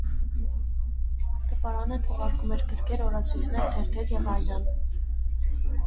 Տպարանը թողարկում էր գրքեր, օրացույցներ, թերթեր և այլն։